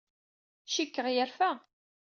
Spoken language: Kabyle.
Cikkeɣ yerfa.